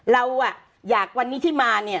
เราอ่ะอยากวันนี้ที่มาเนี่ย